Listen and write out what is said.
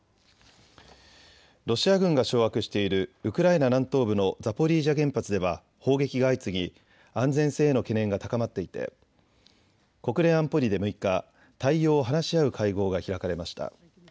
ロシア軍が掌握しているウクライナ南東部のザポリージャ原発では砲撃が相次ぎ安全性への懸念が高まっていて国連安保理で６日、対応を話し合う会合が開かれました。